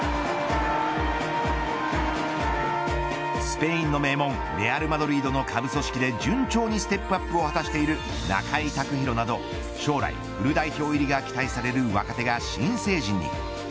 スペインの名門レアルマドリードの下部組織で順調にステップアップを果たしている中井卓大など将来フル代表入りが期待される若手が新成人に。